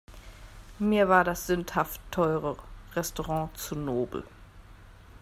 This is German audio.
Mir war das sündhaft teure Restaurant zu nobel.